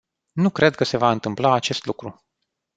Nu cred că se va întâmpla acest lucru.